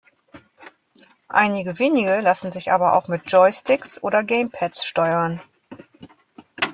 Einige wenige lassen sich aber auch mit Joysticks oder Gamepads steuern.